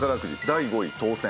第５位当選。